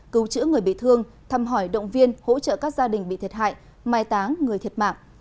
cứu chữa người bị thương thăm hỏi động viên hỗ trợ các gia đình bị thiệt hại mai táng người thiệt mạng